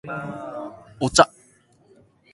お茶